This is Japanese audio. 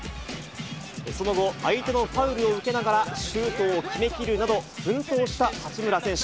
その後、相手のファウルを受けながら、シュートを決めきるなど、奮闘した八村選手。